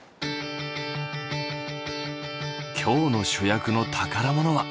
今日の主役の宝物は。